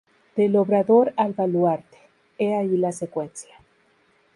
Del obrador al baluarte, he ahí la secuencia.